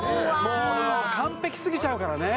もう完璧すぎちゃうからね